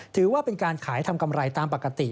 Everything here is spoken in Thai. ถือว่าเป็นการขายทำกำไรตามปกติ